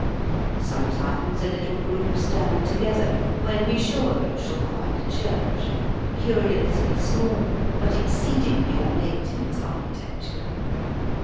Sometimes a little group stand together, when be sure you shall find a church, curiously small but exceedingly ornate in its architecture.